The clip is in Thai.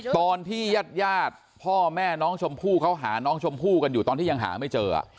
ตอนที่ญาติญาติพ่อแม่น้องชมพู่เขาหาน้องชมพู่กันอยู่ตอนที่ยังหาไม่เจอ